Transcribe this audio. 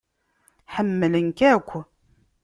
Ḥemmlen-k akk.